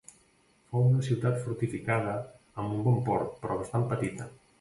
Fou una ciutat fortificada amb un bon port, però bastant petita.